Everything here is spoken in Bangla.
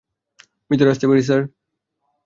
ভিতরে আসতে পারি?